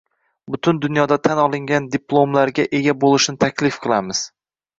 Butun dunyoda tan olingan diplomlarga ega boʻlishni taklif qilamiz.